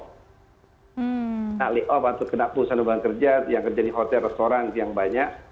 kita layoff atau kena perusahaan rumah kerja yang kerja di hotel restoran yang banyak